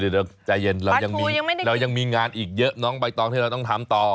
เดี๋ยวใจเย็นเรายังมีเรายังมีงานอีกเยอะน้องใบตองที่เราต้องทำต่อ